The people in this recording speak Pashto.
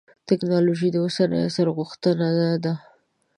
تکنالوجي د اوسني عصر غوښتنه ده.